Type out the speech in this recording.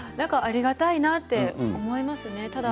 ありがたいと思いますね。